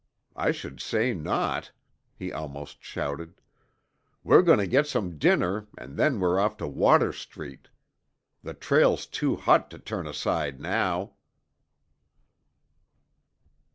I should say not!" he almost shouted. "We're going to get some dinner and then we're off to Water Street. The trail's too hot to turn aside now."